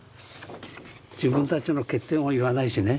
自分たちの欠点を言わないしね。